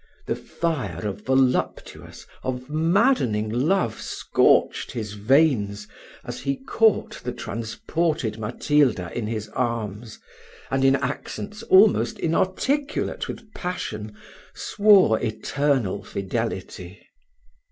The fire of voluptuous, of maddening love, scorched his veins, as he caught the transported Matilda in his arms, and, in accents almost inarticulate with passion, swore eternal fidelity.